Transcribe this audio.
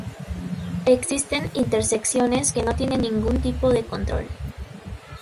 Existen intersecciones que no tienen ningún tipo de control.